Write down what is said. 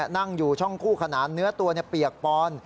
นั่งอยู่ช่องคู่ขนานเนื้อตัวเปียกปอน